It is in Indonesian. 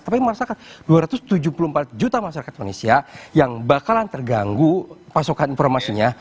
tapi merasakan dua ratus tujuh puluh empat juta masyarakat indonesia yang bakalan terganggu pasokan informasinya